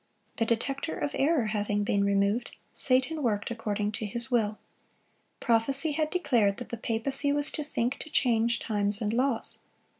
The detector of error having been removed, Satan worked according to his will. Prophecy had declared that the papacy was to "think to change times and laws."